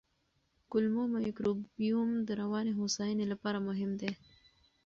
کولمو مایکروبیوم د رواني هوساینې لپاره مهم دی.